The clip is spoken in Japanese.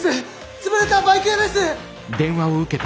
潰れたバイク屋です！